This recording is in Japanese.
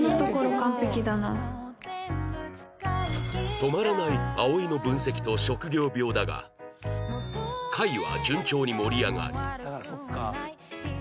止まらない葵の分析と職業病だが会は順調に盛り上がりだからそっか。